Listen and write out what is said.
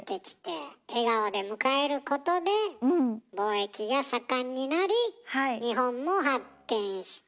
笑顔で迎えることで貿易が盛んになり日本も発展した。